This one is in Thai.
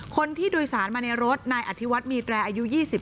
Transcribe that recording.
คนที่โดยสารมาในรถนายอธิวัติมีแดร์อายุ๒๗